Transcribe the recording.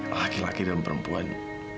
laki laki dan perempuan